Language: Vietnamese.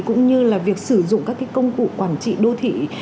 cũng như là việc sử dụng các công cụ quản trị đô thị